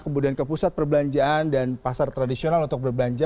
kemudian ke pusat perbelanjaan dan pasar tradisional untuk berbelanja